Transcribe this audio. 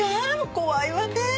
怖いわねえ。